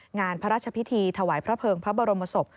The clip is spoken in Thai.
งานพระราชพิธีถวายพระเภิงพระบรมศพ